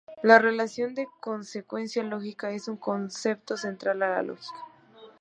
La relación de consecuencia lógica es un concepto central a la lógica.